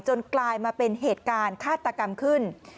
กลายมาเป็นเหตุการณ์ฆาตกรรมขึ้น